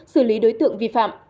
xử lý đối tượng vi phạm